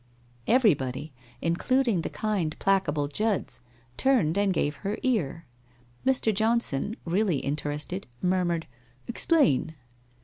Everybody, including the kind placable Judds, turned and gave her car. Mr. Johnson, really interested, mur mured 'Explain!'